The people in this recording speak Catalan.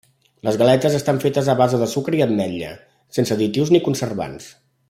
Les galetes estan fetes a base de sucre i ametlla, sense additius ni conservants.